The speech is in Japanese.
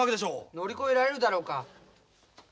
乗り越えられるだろうか。